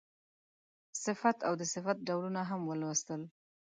صفت او د صفت ډولونه هم ولوستل.